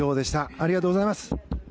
ありがとうございます。